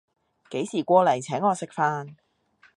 幾時過來請我食飯